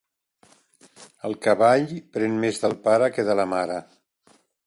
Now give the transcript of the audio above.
El cavall pren més del pare que de la mare.